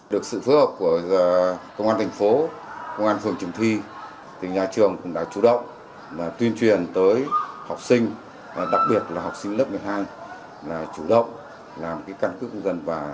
được sự phước học của công an thành phố công an phường trường thi thì nhà trường cũng đã chủ động tuyên truyền tới học sinh đặc biệt là học sinh lớp một mươi hai